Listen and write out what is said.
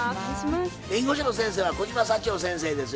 弁護士の先生は小島幸保先生です。